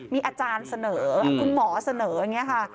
มีอาจารย์เสนอคุณหมอเสนอเนี่ยห้า